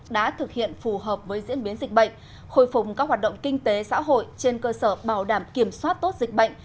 đã thực hiện phù hợp với diễn biến dịch bệnh khôi phùng các hoạt động kinh tế xã hội trên cơ sở bảo đảm kiểm soát tốt dịch bệnh